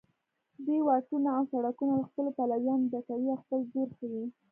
دوی واټونه او سړکونه له خپلو پلویانو ډکوي او خپل زور ښیي